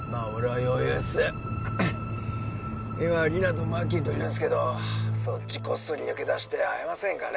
今リナとマッキーといるんすけどそっちこっそり抜け出して会えませんかね？